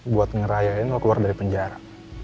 buat ngerayain mau keluar dari penjara